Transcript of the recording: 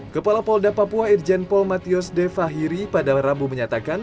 kepala polda papua irjen pol matius de fahiri pada rabu menyatakan